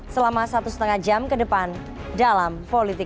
selama satu setengah jam ke depan dalam politik